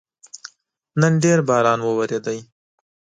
نن ډېر باران وورېده